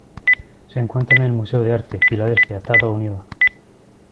Se encuentra en el Museo de Arte, Filadelfia, Estados Unidos.